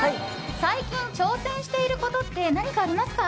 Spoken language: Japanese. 最近、挑戦していることって何かありますか？